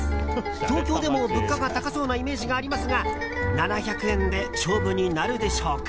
東京でも物価が高そうなイメージがありますが７００円で勝負になるでしょうか。